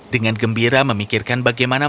dengan gembira memikirkan bagaimana mantra itu